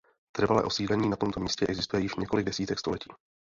Trvalé osídlení na tomto místě existuje již několik desítek století.